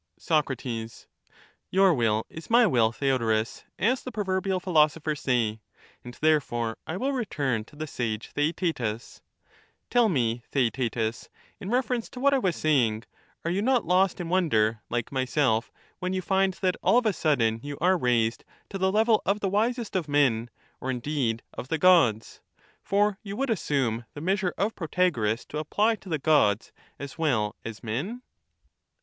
Soc, Your will^js my will, Theodorus, as the proverbial philosophers^say, and therefore I will return to the sage Theaetetus : Tell me, Theaetetus, in reference to what I was saying, are you not lost in wonder, like myself, when you find that all of a sudden you are raised to the level of the wisest of men, or indeed of the gods ?— for you would assume the measure of Protagoras to apply to the gods as well as men